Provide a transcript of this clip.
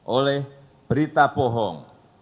oleh berita bohong